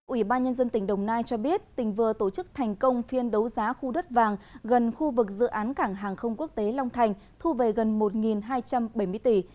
ủy ban nhân dân tỉnh đồng nai cho biết tỉnh vừa tổ chức thành công phiên đấu giá khu đất vàng gần khu vực dự án cảng hàng không quốc tế long thành thu về gần một hai trăm bảy mươi tỷ